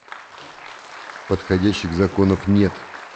Подходящих законов нет.